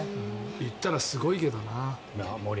行ったらすごいけどな。